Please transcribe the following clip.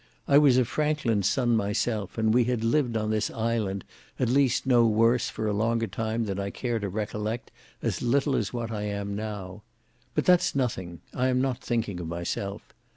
I was a Franklin's son myself, and we had lived on this island at least no worse for a longer time than I care to recollect as little as what I am now. But that's nothing; I am not thinking of myself.